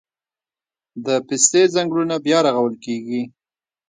د پستې ځنګلونه بیا رغول کیږي